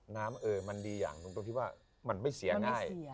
น้ำมันดีอย่างหนึ่งตรงที่ว่ามันไม่เสียง่าย